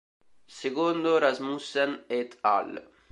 Secondo Rasmussen et al.